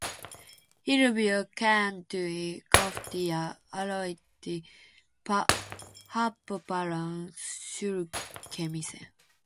Hirviö kääntyi kohti ja aloitti happopallon sylkemisen.